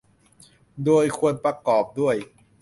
โดยควรประกอบด้วย